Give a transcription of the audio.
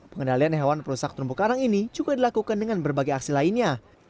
pengendalian hewan perusak terumbu karang ini juga dilakukan dengan berbagai aksi lainnya